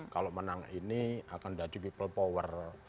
kalau menang ini akan jadi people power